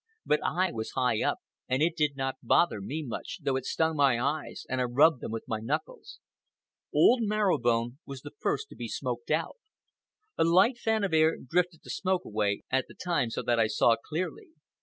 But I was high up and it did not bother me much, though it stung my eyes and I rubbed them with my knuckles. Old Marrow Bone was the first to be smoked out. A light fan of air drifted the smoke away at the time so that I saw clearly.